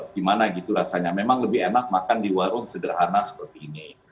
gimana gitu rasanya memang lebih enak makan di warung sederhana seperti ini